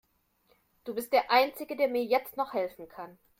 Du bist der einzige, der mir jetzt noch helfen kann.